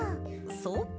そっか。